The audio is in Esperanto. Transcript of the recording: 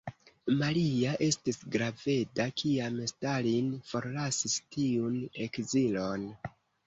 Maria estis graveda, kiam Stalin forlasis tiun ekzilon.